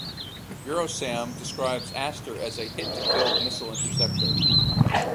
Eurosam describes Aster as a "hit-to-kill Missile Interceptor".